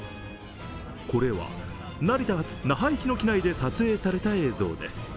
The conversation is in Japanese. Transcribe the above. これは成田発那覇行きの機内で撮影された映像です。